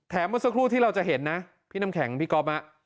เมื่อสักครู่ที่เราจะเห็นนะพี่น้ำแข็งพี่ก๊อฟ